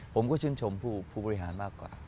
ผมก็ชื่นชมผู้บริหารมากกว่า